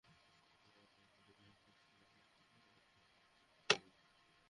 সড়কটির বেহাল দশা দেখে প্রস্তাব তৈরি করে সদর দপ্তরে পাঠানোর পরিকল্পনা করেছি।